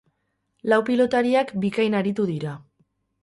Lau pilotariak bikain aritu dira.